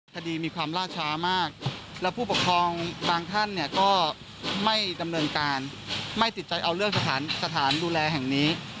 คดีมีความล่าช้ามากแล้วผู้ปกครองบางท่านเนี่ยก็ไม่ดำเนินการไม่ติดใจเอาเรื่องสถานดูแลแห่งนี้